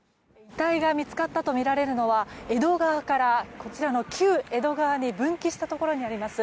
遺体が見つかったとみられるのは江戸川からこちらの旧江戸川に分岐したところにあります